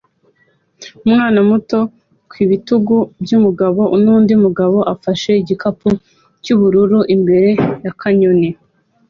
Umwana muto ku bitugu byumugabo nundi mugabo ufashe igikapu cyubururu imbere ya kanyoni